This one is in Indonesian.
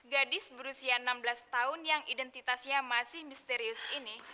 gadis berusia enam belas tahun yang identitasnya masih misterius ini